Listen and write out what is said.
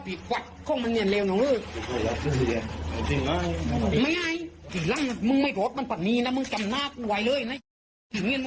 โหครับก็บาดเจ็บต้องนำตัวส่งโรงพยาบาลนะฮะ